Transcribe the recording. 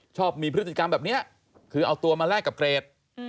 ชอบมีพฤติกรรมแบบนี้คือเอาตัวมาแลกกับเกรด